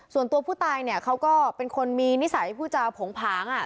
ส่วนตัวผู้ตายเนี่ยเขาก็เป็นคนมีนิสัยผู้จาโผงผางอ่ะ